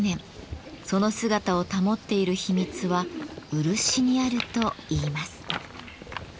その姿を保っている秘密は「漆」にあるといいます。